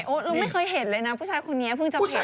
เราไม่เคยเห็นเลยนะผู้ชายคนนี้เพิ่งจะเห็น